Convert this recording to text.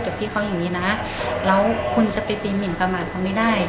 กับพี่เขาอย่างนี้นะแล้วคุณจะไปปีหมินประมาณเขาไม่ได้